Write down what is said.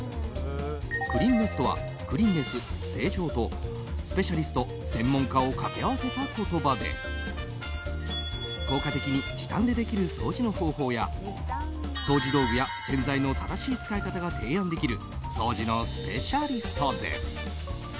クリンネストとはクリンネス、清浄とスペシャリスト、専門家を掛け合わせた言葉で効果的に時短でできる掃除の方法や、掃除道具や洗剤の正しい使い方が提案できる掃除のスペシャリストです。